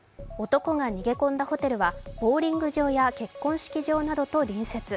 男が逃げ込んだホテルは、ボウリング場や結婚式場などと隣接。